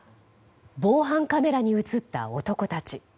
防犯カメラに映った男たち。